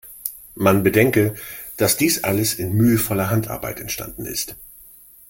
Man bedenke, dass dies alles in mühevoller Handarbeit entstanden ist.